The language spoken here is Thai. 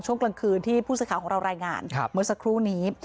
ช่วงกลางคืนที่ผู้สื่อข่าวของเรารายงานเมื่อสักครู่นี้